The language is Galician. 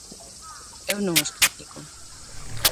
Eu non os critico.